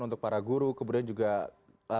untuk para guru kemudian juga